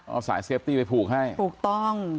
เอาสายเซฟตี้ไปผูกให้ถูกต้อง